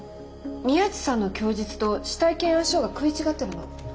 宮地さんの供述と死体検案書が食い違ってるの。